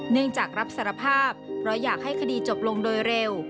เนื่องจากรับสารภาพเพราะอยากให้คดีจบลงโดยเร็ว